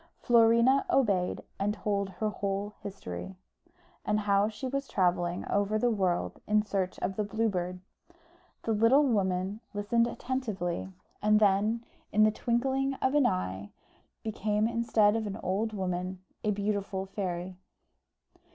Florina obeyed, and told her whole history, and how she was travelling over the world in search of the Blue Bird. The little woman listened attentively, and then, in the twinkling of an eye, became, instead of an old woman, a beautiful fairy.